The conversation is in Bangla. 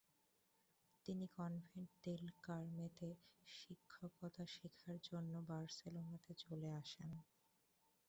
তিনি কনভেন্ট দেল কার্মে-তে শিক্ষকতা শেখার জন্য বার্সেলোনাতে চলে আসেন।